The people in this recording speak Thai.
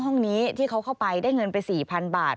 ห้องนี้ที่เขาเข้าไปได้เงินไป๔๐๐๐บาท